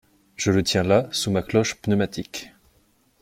Je le tiens là sous ma cloche pneumatique!